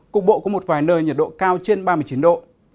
cục bộ có một vài nơi nhiệt độ cao trên ba mươi chín độ